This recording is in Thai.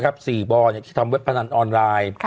๔บ่อที่ทำเว็บพนันออนไลน์